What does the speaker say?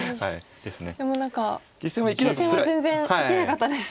でも何か実戦は全然生きなかったです。